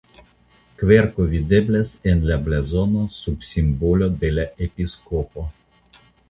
Kverko videblas en la blazono sub simbolo de la episkopo.